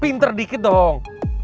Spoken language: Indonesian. pinter dikit dong